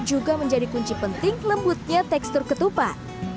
juga menjadi kunci penting lembutnya tekstur ketupat